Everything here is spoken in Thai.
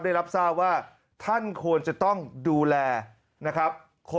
ได้รับทราบว่าท่านควรจะต้องดูแลนะครับ